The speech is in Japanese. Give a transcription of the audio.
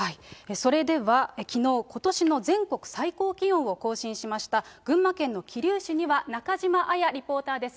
それではきのう、ことしの全国最高気温を更新しました群馬県の桐生市には、中島彩リポーターです。